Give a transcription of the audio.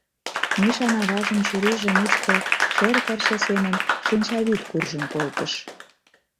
Мишан аважын чурийже мучко шер пырче семын шинчавӱд куржын колтыш.